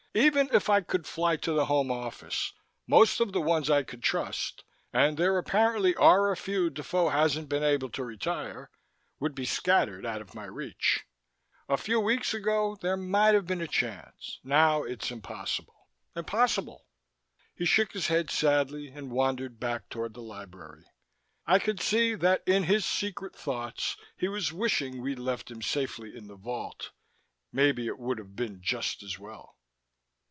Even if I could fly to the Home Office, most of the ones I could trust and there apparently are a few Defoe hasn't been able to retire would be scattered, out of my reach. A week ago, there might have been a chance. Now, it's impossible. Impossible." He shook his head sadly and wandered back toward the library. I could see that in his secret thoughts, he was wishing we'd left him safely in the vault. Maybe it would have been just as well.